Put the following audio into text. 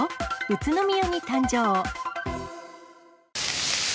宇都宮に誕生。